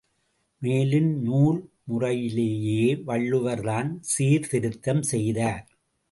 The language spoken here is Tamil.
மேலும் நூல் முறையிலேயே வள்ளுவர்தான் சீர்திருத்தம் செய்தார்.